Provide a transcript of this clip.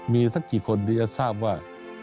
มีสักกี่คนที่จะทราบว่า